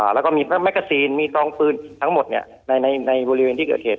และก็มีแม็กเกอร์ซีนซองตรวจสองปืนทั้งหมดในวันที่เกิดเหตุ